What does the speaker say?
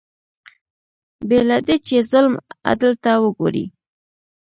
بې له دې چې ظلم عدل ته وګوري